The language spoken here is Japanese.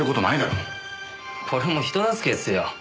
これも人助けっすよ。